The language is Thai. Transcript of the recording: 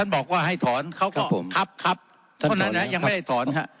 บอกว่าให้ถอนเขาก็ครับครับเท่านั้นยังไม่ได้ถอนครับ